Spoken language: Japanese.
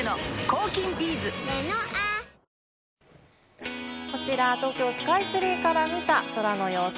いいじゃないだってこちら東京スカイツリーから見た空の様子。